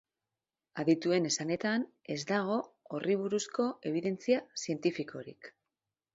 Adituen esanetan ez dago horri buruzko ebidentzia zientifikorik.